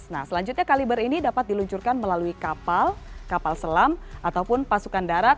nah selanjutnya kaliber ini dapat diluncurkan melalui kapal kapal selam ataupun pasukan darat